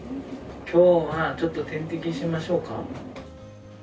きょうはちょっと点滴しましょうか。